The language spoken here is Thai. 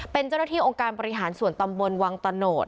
เป็นเจ้าหน้าที่องค์การบริหารส่วนตำบลวังตะโนธ